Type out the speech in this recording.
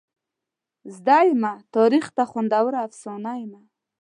زده یمه تاریخ ته خوندوره افسانه یمه.